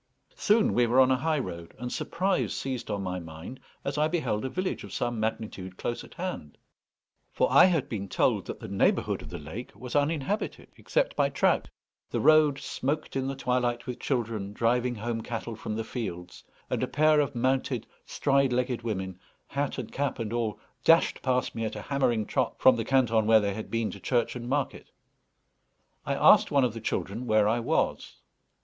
Soon we were on a high road, and surprise seized on my mind as I beheld a village of some magnitude close at hand; for I had been told that the neighbourhood of the lake was uninhabited except by trout. The road smoked in the twilight with children driving home cattle from the fields; and a pair of mounted stride legged women, hat and cap and all, dashed past me at a hammering trot from the canton where they had been to church and market. I asked one of the children where I was.